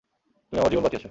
তুমি আমার জীবন বাঁচিয়েছ!